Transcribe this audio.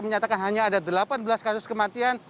menyatakan hanya ada delapan belas kasus kematian